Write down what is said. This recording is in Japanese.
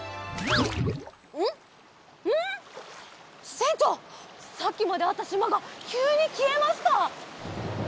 せんちょうさっきまであったしまがきゅうにきえました！